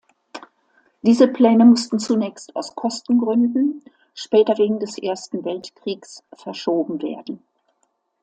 Diese Pläne mussten zunächst aus Kostengründen, später wegen des Ersten Weltkriegs verschoben werden.